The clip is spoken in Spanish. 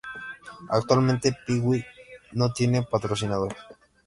Actualmente Pee-Wee no tiene patrocinador.